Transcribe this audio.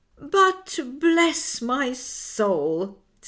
" But, bless my soul,"" said M.